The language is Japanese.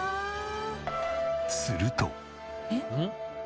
すると。